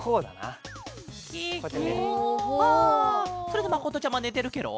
それでまことちゃまねてるケロ？